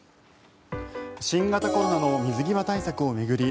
新型コロナの水際対策を巡り